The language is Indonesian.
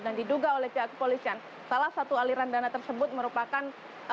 dan diduga oleh pihak kepolisian salah satu aliran dana tersebut merupakan